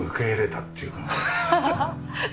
ハハハハッ。